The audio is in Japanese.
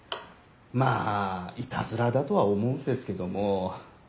まあイタズラだとは思うんですけども。